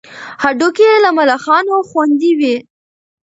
هډوکي یې له ملخانو خوندي وي.